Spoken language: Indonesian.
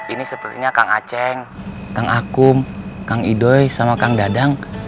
ini sepertinya kang aceh kang akum kang idoy sama kang dadang